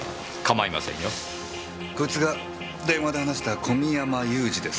こいつが電話で話した小見山勇司です。